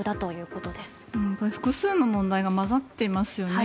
これ、複数の問題が混ざっていますよね。